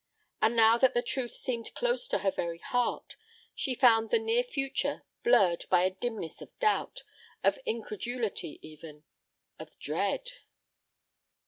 And now that the truth seemed close to her very heart, she found the near future blurred by a dimness of doubt, of incredulity, even—of dread.